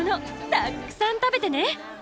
たっくさん食べてね。